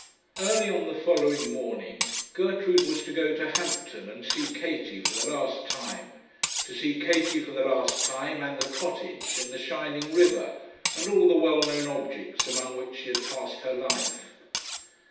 Early on the following morning Gertrude was to go to Hampton and see Katie for the last time; to see Katie for the last time, and the Cottage, and the shining river, and all the well known objects among which she had passed her life.